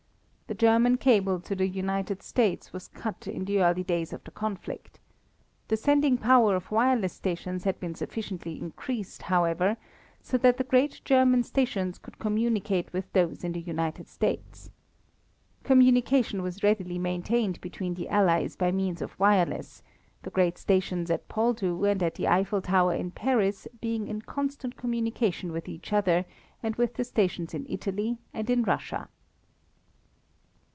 The German cable to the United States was cut in the early days of the conflict. The sending power of wireless stations had been sufficiently increased, however, so that the great German stations could communicate with those in the United States. Communication was readily maintained between the Allies by means of wireless, the great stations at Poldhu and at the Eiffel Tower in Paris being in constant communication with each other and with the stations in Italy and in Russia.